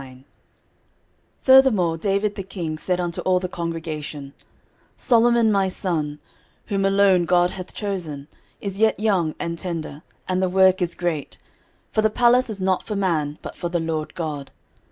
13:029:001 Furthermore David the king said unto all the congregation, Solomon my son, whom alone God hath chosen, is yet young and tender, and the work is great: for the palace is not for man, but for the LORD God.